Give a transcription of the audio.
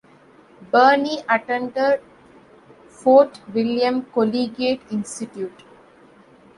Burney attended Fort William Collegiate Institute.